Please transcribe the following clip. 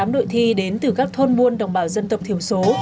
hai mươi tám đội thi đến từ các thôn buôn đồng bào dân tộc thiểu số